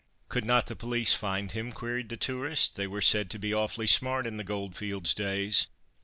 '" "Could not the police find him?" queried the tourist. "They were said to be awfully smart in the goldfields days."